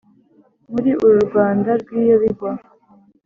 muri uru rwanda rw’iyo bigwa